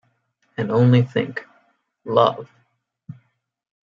And only think: love!